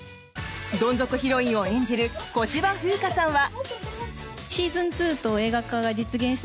どん底ヒロインを演じる小芝風花さんは。